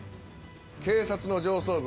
警察の上層部